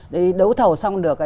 đấy đấu thầu xong được